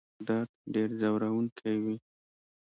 د غاښونو درد ډېر ځورونکی وي.